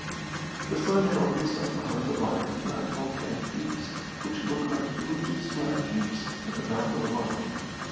The sun had already sunk behind the line of black volcanic peaks, which look like huge slag heaps at the mouth of a mine.